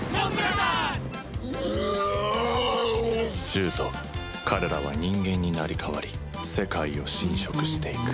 獣人彼らは人間に成り代わり世界を侵食していく